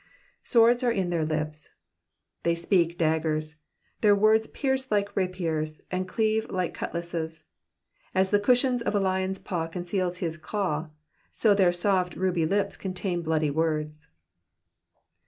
^^ Swords are in their lips.'*^ They speak daggers. Their words pierce like rapiers, and cleave like cutlasses. As the cushion of a lion's paw conceals his claw, so their soft ruby lips contain bloody words.